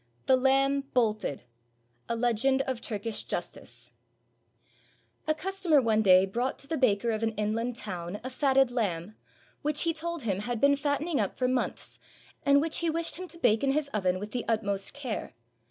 "THE LAMB BOLTED" A LEGEND OF TURKISH JUSTICE A CUSTOMER one day brought to the baker of an inland town a fatted lamb, which he told him he had been fat tening up for months, and which he wished him to bake in his oven with the utmost care.